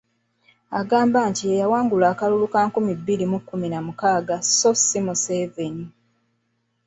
Agamba nti ye yawangula akalulu ka nkumi bbiri mu kkumi na mukaaga sso si Museveni.